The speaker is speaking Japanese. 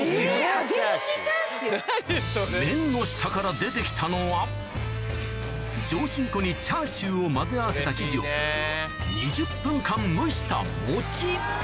麺の下から出て来たのは上新粉にチャーシューを混ぜ合わせた生地を２０分間蒸した餅